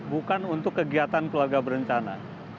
bukan untuk kegiatan keluarga berencana